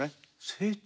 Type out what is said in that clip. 成長。